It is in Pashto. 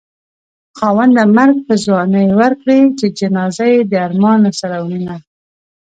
خاونده مرګ په ځوانۍ ورکړې چې جنازه يې د ارمانه سره وړينه